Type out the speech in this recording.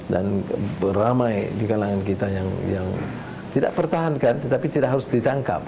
dan ramai di kalangan kita yang tidak pertahankan tapi tidak harus ditangkap